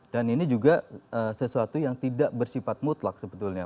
dan ini juga sesuatu yang tidak bersifat mutlak sebetulnya